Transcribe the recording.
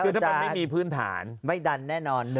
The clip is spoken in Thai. คือถ้าเป็นไม่มีพื้นฐานไม่ดันแน่นอนเนื้อ